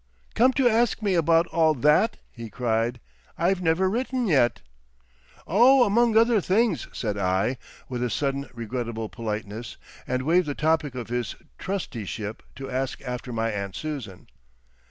"Come to ask me about all that," he cried. "I've never written yet." "Oh, among other things," said I, with a sudden regrettable politeness, and waived the topic of his trusteeship to ask after my aunt Susan.